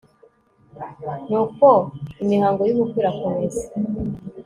nuko imihango y'ubukwe irakomeza